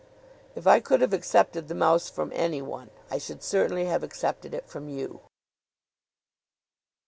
"If I could have accepted the mouse from anyone I should certainly have accepted it from you."